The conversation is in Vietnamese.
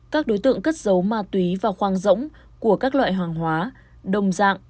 các đối tượng cất dấu ma túy và khoang rỗng của các loại hoàng hóa đồng dạng